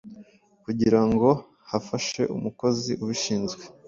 kugirango bafashe umukozi ubishinzwe